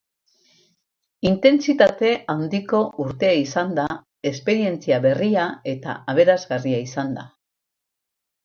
Intentsitate handiko urtea izan da, esperientzia berria eta aberasgarria izan da.